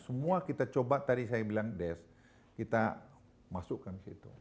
semua kita coba tadi saya bilang desk kita masukkan situ